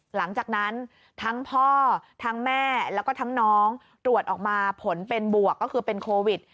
หลังจากนั้นทั้งพ่อทั้งแม่แล้วก็ทั้งน้องตรวจออกมาผลเป็นบวกก็คือเป็นโควิด